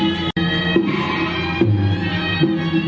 สุดท้ายสุดท้ายสุดท้าย